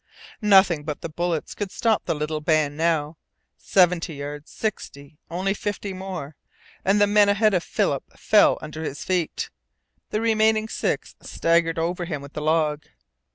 Nothing but the bullets could stop the little band now. Seventy yards! Sixty! Only fifty more and the man ahead of Philip fell under his feet. The remaining six staggered over him with the log.